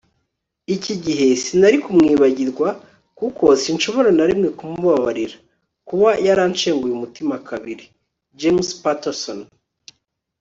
iki gihe sinari kumwibagirwa, kuko sinshobora na rimwe kumubabarira - kuba yaranshenguye umutima kabiri. - james patterson